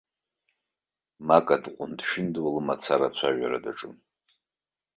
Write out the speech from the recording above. Мака дҟәынд-шәындуа лымацара ацәажәара даҿын.